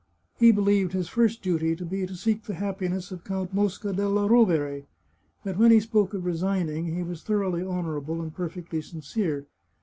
He believed his first duty to be to seek the happiness of Count Mosca della Rovere ; but when he spoke of resigning, he was thoroughly honourable and perfectly sincere.